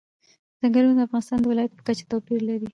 ځنګلونه د افغانستان د ولایاتو په کچه توپیر لري.